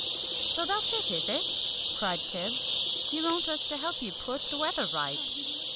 "So that's it, is it?" cried Tibbs; "you want us to help you put the weather right?"